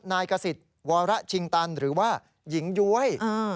นายกษิตวรชิงตันหรือว่าหญิงย้วย